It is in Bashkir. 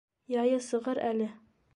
Яйы сығыр әле.